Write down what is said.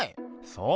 そう。